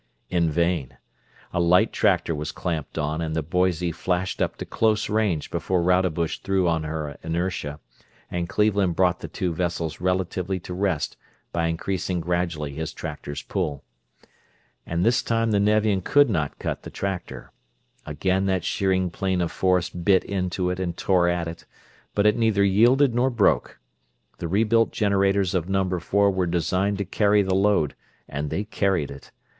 In vain. A light tractor was clamped on and the Boise flashed up to close range before Rodebush threw on her inertia and Cleveland brought the two vessels relatively to rest by increasing gradually his tractor's pull. And this time the Nevian could not cut the tractor. Again that shearing plane of force bit into it and tore at it, but it neither yielded nor broke. The rebuilt generators of Number Four were designed to carry the load, and they carried it.